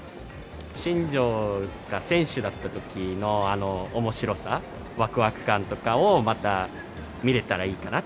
新庄が選手だったときのあのおもしろさ、わくわく感とかをまた見れたらいいかな。